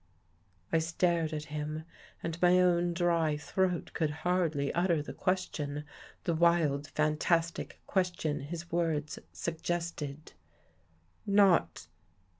I stared at him and my own dry throat could hardly utter the question — the wild, fantastic ques tion his words suggested. "Not